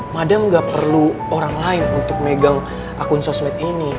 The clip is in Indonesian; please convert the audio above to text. madam gak perlu orang lain untuk megang akun sosmed ini